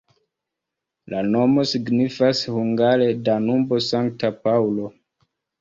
La nomo signifas hungare Danubo-Sankta Paŭlo.